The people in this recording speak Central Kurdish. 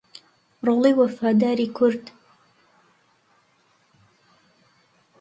ڕۆڵەی وەفاداری کورد